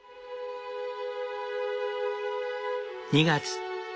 ２月。